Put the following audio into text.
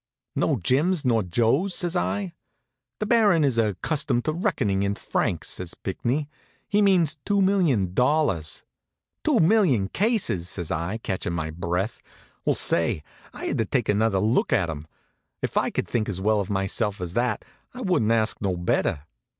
"No Jims nor Joes?" says I. "The Baron is accustomed to reckoning in francs," says Pinckney. "He means two million dollars." "Two million cases?" says I, catchin' my breath. Well, say! I had to take another look at him. If I could think as well of myself as that I wouldn't ask no better.